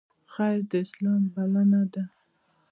خیر د اسلام بلنه ده